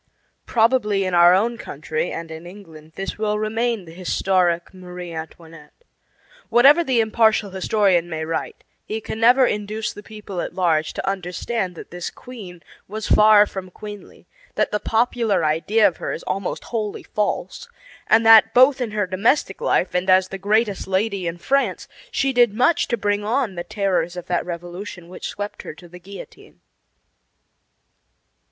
Probably in our own country and in England this will remain the historic Marie Antoinette. Whatever the impartial historian may write, he can never induce the people at large to understand that this queen was far from queenly, that the popular idea of her is almost wholly false, and that both in her domestic life and as the greatest lady in France she did much to bring on the terrors of that revolution which swept her to the guillotine.